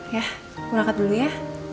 ya berangkat dulu ya